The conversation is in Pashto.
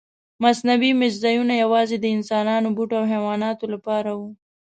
مصنوعي میشت ځایونه یواځې د انسانانو، بوټو او حیواناتو لپاره وو.